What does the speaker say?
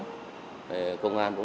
trước mắt đối với tết quý mão